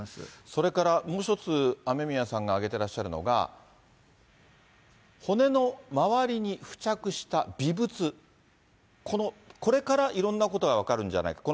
それからもう一つ、雨宮さんが挙げてらっしゃるのが、骨の周りに付着した微物、これからいろんなことが分かるんじゃないかと。